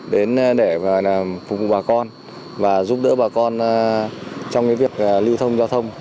đến để phục vụ bà con và giúp đỡ bà con trong việc lưu thông giao thông